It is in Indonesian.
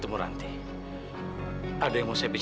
warung kita seratus dan lebih